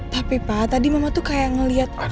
tapi paa tadi mama itu kayak ngeliat